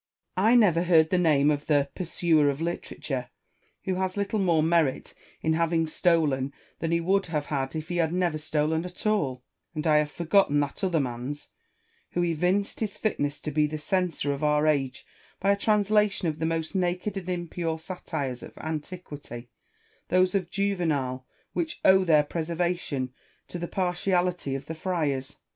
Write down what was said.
I never heard the name of SOUTHEY AND PORSON. 163 the Pursuer of Literature, who has little more merit in having stolen than he would have had if he had never stolen at all ; and I have forgotten that other man's, who evinced his fitness to be the censor of our age, by a trans lation of the most naked and impure satires of antiquity — those of Juvenal, which owe their preservation to the partiality of the Friars.